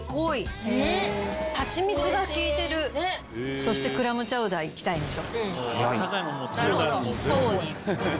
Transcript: そしてクラムチャウダーいきたいでしょ？